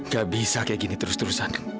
gak bisa kayak gini terus terusan